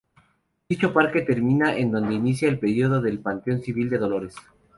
Dicho parque termina en donde inicia el predio del Panteón Civil de Dolores.